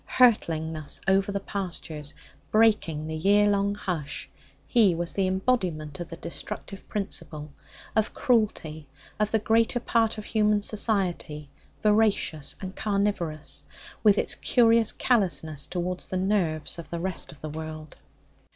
Hurtling thus over the pastures, breaking the year long hush, he was the embodiment of the destructive principle, of cruelty, of the greater part of human society voracious and carnivorous with its curious callousness towards the nerves of the rest of the world.